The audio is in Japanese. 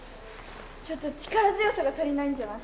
ちょっと力強さが足りないんじゃない？